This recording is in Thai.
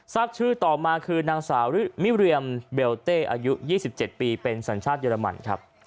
ทราบชื่อต่อมาคือนางสาวริมิเรียมเบลเต้อายุ๒๗ปีเป็นสัญชาติเยอรมันครับ